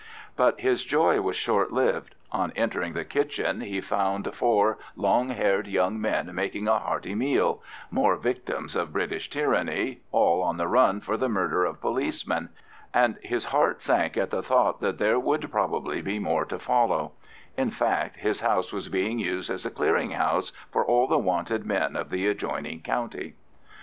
But his joy was short lived. On entering the kitchen he found four long haired young men making a hearty meal—more victims of British tyranny, all on the run for the murder of policemen—and his heart sank at the thought that there would probably be more to follow: in fact his house was being used as a clearinghouse for all the "wanted" men of the adjoining county.